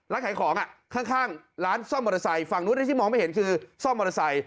ขายของข้างร้านซ่อมมอเตอร์ไซค์ฝั่งนู้นที่มองไม่เห็นคือซ่อมมอเตอร์ไซค